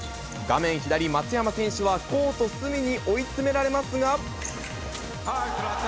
画面左、松山選手はコート隅に追い詰められますが。